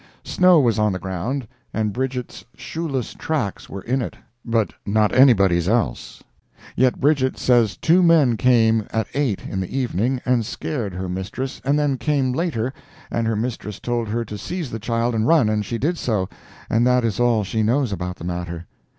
Snow was on the ground, and Bridget's shoeless tracks were in it, but not anybody's else. Yet Bridget says two men came at 8 in the evening and scared her mistress, and then came later, and her mistress told her to seize the child and run, and she did so, and that is all she knows about the matter.